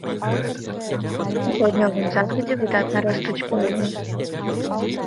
На паўднёвым захадзе выдатна растуць пальмы.